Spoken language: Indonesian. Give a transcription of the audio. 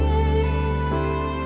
aku mau ke sana